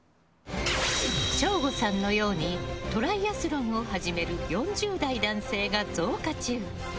省吾さんのようにトライアスロンを始める４０代男性が増加中。